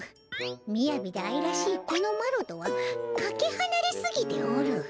ミヤビであいらしいこのマロとはかけはなれすぎておる。